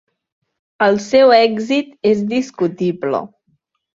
El seu èxit és discutible.